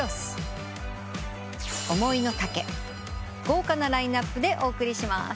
豪華なラインアップでお送りします。